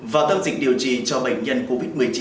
vào tâm dịch điều trị cho bệnh nhân covid một mươi chín